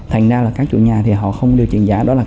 thành ra là các chủ nhà thì họ không điều chỉnh giá